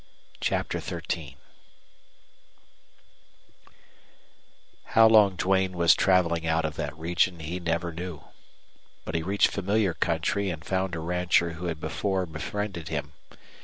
CHAPTER XIII How long Duane was traveling out of that region he never knew. But he reached familiar country and found a rancher who had before befriended him.